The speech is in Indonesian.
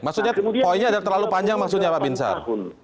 maksudnya poinnya adalah terlalu panjang maksudnya pak binsar